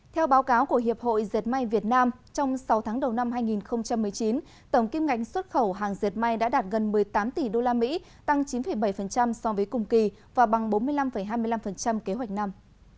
theo báo cáo của hiệp hội diệt may việt nam trong sáu tháng đầu năm hai nghìn một mươi chín tổng kim ngạch xuất khẩu hàng diệt may đã đạt gần một mươi tám tỷ usd tăng chín bảy so với cùng kỳ và bằng bốn mươi năm hai mươi năm kế hoạch năm